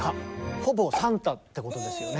ほぼサンタってことですよね？